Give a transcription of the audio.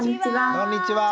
こんにちは。